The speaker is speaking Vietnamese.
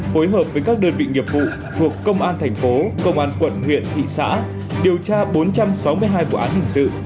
phối hợp với các đơn vị nghiệp vụ thuộc công an thành phố công an quận huyện thị xã điều tra bốn trăm sáu mươi hai vụ án hình sự